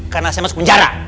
karena saya masuk penjara